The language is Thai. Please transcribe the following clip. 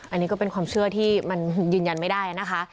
อันนี้ก็เป็นความเชื่อที่มันยืนยันไม่ได้นะคะ